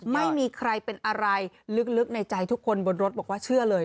ไม่มีใครเป็นอะไรลึกในใจทุกคนบนรถบอกว่าเชื่อเลย